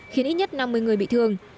khiến ít nhất năm mươi người bị thương